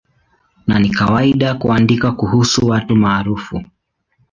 Na ni kawaida kuandika kuhusu watu maarufu.